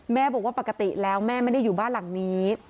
บอกว่าปกติแล้วแม่ไม่ได้อยู่บ้านหลังนี้